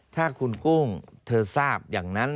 ถ้าคุณกุ้งเธอทราบอย่างนั้น